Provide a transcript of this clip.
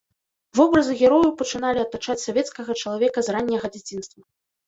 Вобразы герояў пачыналі атачаць савецкага чалавека з ранняга дзяцінства.